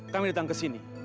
kami datang ke sini